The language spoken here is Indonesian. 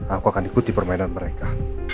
aku akan ikuti permainan mereka